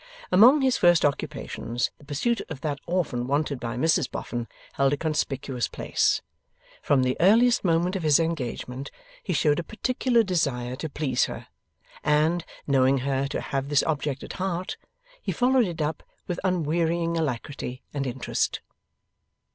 Among his first occupations the pursuit of that orphan wanted by Mrs Boffin held a conspicuous place. From the earliest moment of his engagement he showed a particular desire to please her, and, knowing her to have this object at heart, he followed it up with unwearying alacrity and interest.